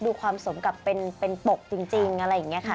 ดูความสมกับเป็นปกจริงอะไรอย่างนี้ค่ะ